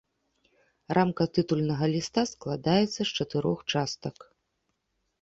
Рамка тытульнага ліста складаецца з чатырох частак.